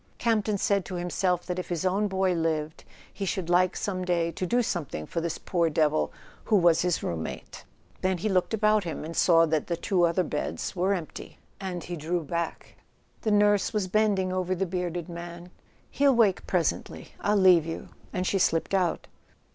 Campton said to himself that if his own boy lived he should like some day to do something for this poor devil who was his room¬ mate. Then he looked about him and saw that the two other beds were empty. He drew back. The nurse was bending over the bearded man. "He'll wake presently—I'll leave you"; and she slipped out.